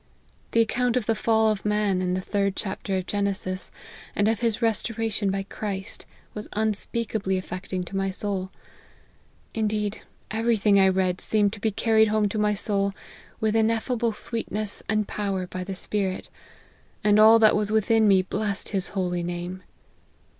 The account of the fall of man, in the third chapter of Genesis, and of his restoration by Christ, was unspeakably affecting to my soul. Indeed, every thing I read seemed to be carried home to my soul with ineffable sweet ness and power by the Spirit ; and all that was within me blessed His holy name.